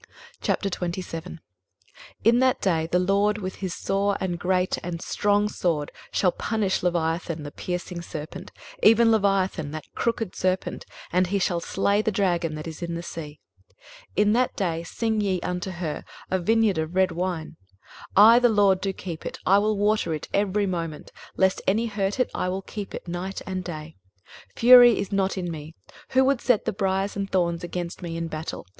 23:027:001 In that day the LORD with his sore and great and strong sword shall punish leviathan the piercing serpent, even leviathan that crooked serpent; and he shall slay the dragon that is in the sea. 23:027:002 In that day sing ye unto her, A vineyard of red wine. 23:027:003 I the LORD do keep it; I will water it every moment: lest any hurt it, I will keep it night and day. 23:027:004 Fury is not in me: who would set the briers and thorns against me in battle?